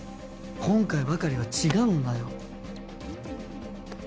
今回ばかりは違うんだよ。